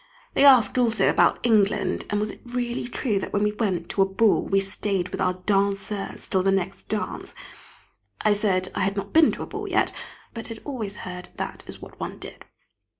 They asked also about England, and was it really true that when we went to a ball we stayed with our danseurs till the next dance? I said I had not been to a ball yet, but had always heard that is what one did.